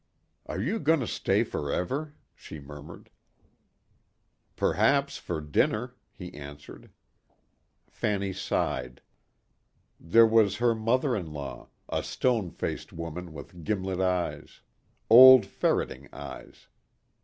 "Are you going to stay forever," she murmured. "Perhaps for dinner," he answered. Fanny sighed. There was her mother in law a stone faced woman with gimlet eyes. Old, ferreting eyes.